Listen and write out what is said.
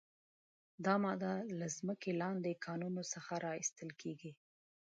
دا ماده له ځمکې لاندې کانونو څخه را ایستل کیږي.